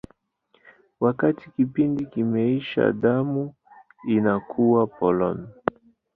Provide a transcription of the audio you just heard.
Wakati kipindi kimeisha, damu inakuwa polong.